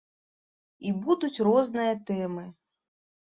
І будуць розныя тэмы.